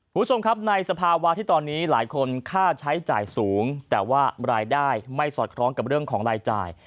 คุณผู้ชมครับในสภาวะที่ตอนนี้หลายคนค่าใช้จ่ายสูงแต่ว่ารายได้ไม่สอดคล้องกับเรื่องของรายจ่าย